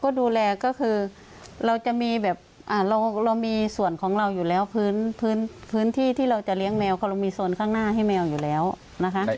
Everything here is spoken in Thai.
ก็ดูแลก็คือเราจะมีแบบเรามีส่วนของเราอยู่แล้วพื้นที่ที่เราจะเลี้ยงแมวเขาเรามีโซนข้างหน้าให้แมวอยู่แล้วนะคะ